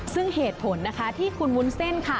ซึ่งเหตุผลนะคะที่คุณวุ้นเส้นค่ะ